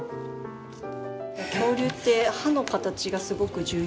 恐竜って歯の形がすごく重要なんですよ。